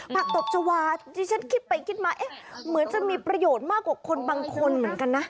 ตบชาวาที่ฉันคิดไปคิดมาเอ๊ะเหมือนจะมีประโยชน์มากกว่าคนบางคนเหมือนกันนะ